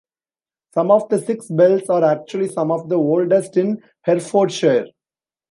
Some of the six bells are actually some of the oldest in Herefordshire.